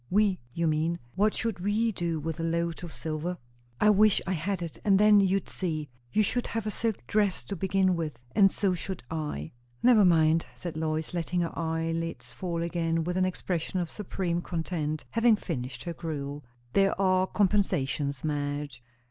"We, you mean? What should we do with a load of silver?" "I wish I had it, and then you'd see! You should have a silk dress, to begin with, and so should I." "Never mind," said Lois, letting her eyelids fall again with an expression of supreme content, having finished her gruel. "There are compensations, Madge."